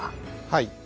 はい。